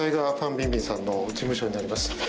・ビンビンさんの事務所になります。